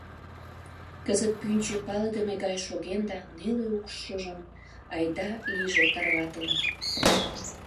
Кызыт пӱнчӧ палыдыме гай шоген да неле укшыжым айда лийже тарватылын.